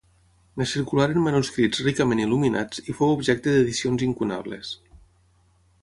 En circularen manuscrits ricament il·luminats i fou objecte d'edicions incunables.